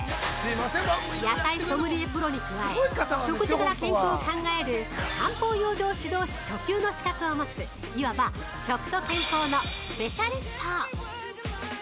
野菜ソムリエプロに加え食事から健康を考える漢方養生指導士初級の資格を持つ言わば「食と健康のスペシャリスト」。